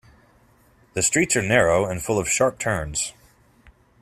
The streets are narrow and full of sharp turns.